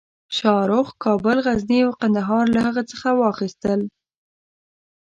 شاهرخ کابل، غزني او قندهار له هغه څخه واخیستل.